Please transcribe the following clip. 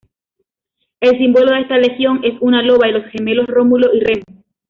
El símbolo de esta legión es una loba y los gemelos Rómulo y Remo.